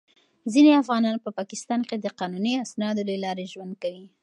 ځینې افغانان په پاکستان کې د قانوني اسنادو له لارې ژوند کوي.